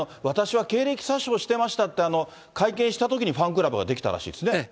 私は経歴詐称してましたって、会見したときにファンクラブが出来たらしいですね。